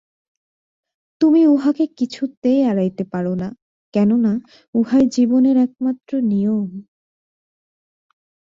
তুমি উহাকে কিছুতেই এড়াইতে পার না, কেননা উহাই জীবনের একমাত্র নিয়ম।